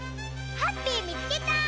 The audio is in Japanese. ハッピーみつけた！